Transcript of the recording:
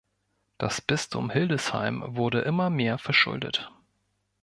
Das Bistum Hildesheim wurde immer mehr verschuldet.